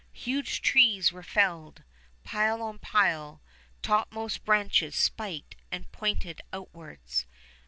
Huge trees were felled, pile on pile, top most branches spiked and pointed outwards.